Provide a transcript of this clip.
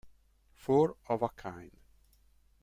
Four of a Kind